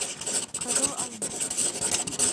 ҠЫҘЫЛ АЛМА